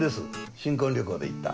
新婚旅行で行った。